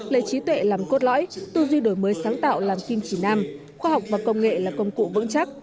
lấy trí tuệ làm cốt lõi tu duy đổi mới sáng tạo làm kim chỉ nam khoa học và công nghệ là công cụ vững chắc